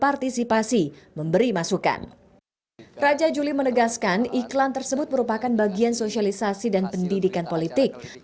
raja juli menegaskan iklan tersebut merupakan bagian sosialisasi dan pendidikan politik